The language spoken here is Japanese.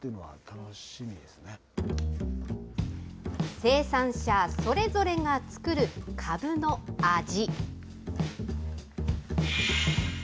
生産者それぞれが作る、かぶの味。